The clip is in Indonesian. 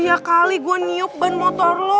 ya kali gue nyuk ban motor lo